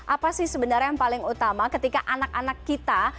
apa sih sebenarnya yang paling utama ketika anak anak kita